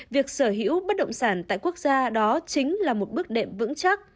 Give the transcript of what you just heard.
việc sở hữu bất động sản tại quốc gia đó chính là một bước đệm vững chắc